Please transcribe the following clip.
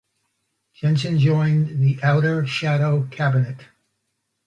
Jansen joined the Outer Shadow Cabinet.